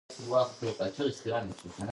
په دې خبره دې سر خلاص کړه .